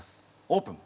オープン！